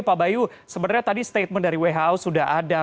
pak bayu sebenarnya tadi statement dari who sudah ada